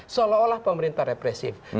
seolah olah pemerintah represif